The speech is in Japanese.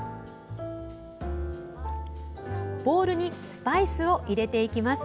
ボウルにスパイスを入れていきます。